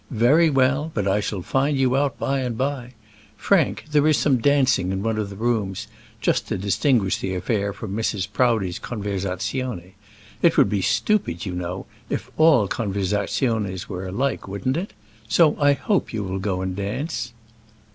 "Very well; but I shall find you out by and by. Frank, there is to be some dancing in one of the rooms, just to distinguish the affair from Mrs. Proudie's conversazione. It would be stupid, you know, if all conversaziones were alike; wouldn't it? So I hope you will go and dance."